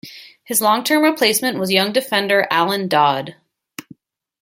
His long-term replacement was young defender Alan Dodd.